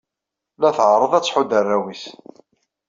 La tɛerreḍ ad tḥudd arraw-is.